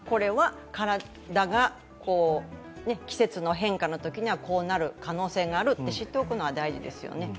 体が季節の変化のときには、こうなる可能性があると知っておくのは大事ですね。